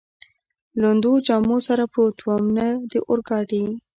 لوندو جامو سره پروت ووم، نه د اورګاډي.